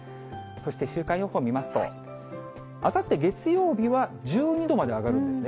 そして週間予報見ますと、あさって月曜日は１２度まで上がるんですね。